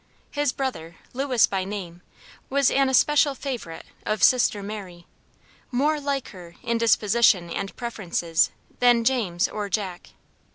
His brother, Lewis by name, was an especial favorite of sister Mary; more like her, in disposition and preferences than James or Jack.